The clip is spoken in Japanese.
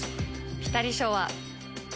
ピタリ賞は。